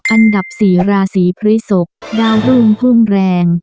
อันดับ๔ราศีพฤศกดาวรุ่งพุ่งแรง